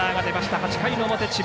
８回の表智弁